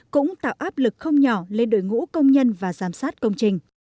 cũng tạo áp lực không nhỏ lên đội ngũ công nhân và giám sát công trình